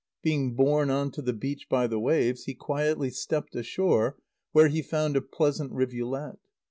Being borne on to the beach by the waves, he quietly stepped ashore, where he found a pleasant rivulet.